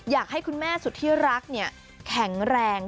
อยากให้คุณแม่สุดที่รักเนี่ยแข็งแรง